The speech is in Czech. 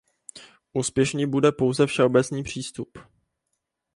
Úspěšný bude pouze všeobecný přístup.